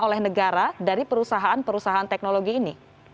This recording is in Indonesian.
oleh negara dari perusahaan perusahaan teknologi ini